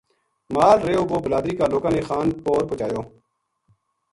مال رہیو وہ بلادری کا لوکاں نے خان پور پوہچایو